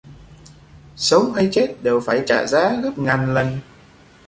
Sống hay chết đều phải trả giá gấp ngàn lần